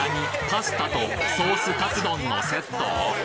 パスタとソースカツ丼のセット！？